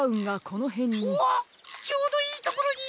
ちょうどいいところに！